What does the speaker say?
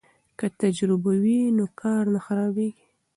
که تجربه وي نو کار نه خرابېږي.